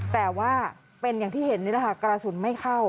แต่ว่าเป็นอย่างที่เห็นนี่แหละค่ะกระสุนไม่เข้า